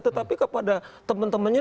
tetapi kepada teman temannya